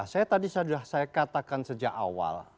saya tadi sudah saya katakan sejak awal